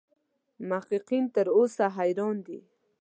محققین تر اوسه حیران دي.